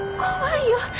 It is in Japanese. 怖いよ